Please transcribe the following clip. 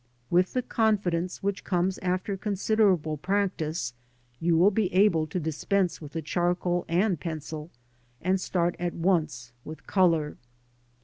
(With the confi dence which comes after considerable practice, you will be able to dispense with the charcoal and pencil, and start at once with colour.)